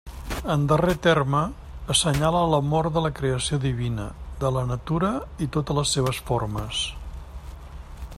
En darrer terme, assenyala l'amor de la creació divina, de la natura i totes les seves formes.